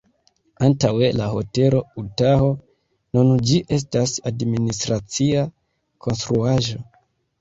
Antaŭe la Hotelo Utaho, nun ĝi estas administracia konstruaĵo.